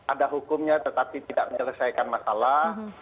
ada hukumnya tetapi tidak menyelesaikan masalah